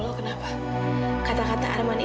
hebat banget ya arman